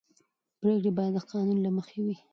پرېکړې باید د قانون له مخې وي